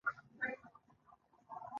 د مشروطیت ملګري په لاره ولاړل.